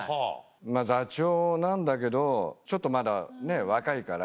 座長なんだけどちょっとまだ若いから。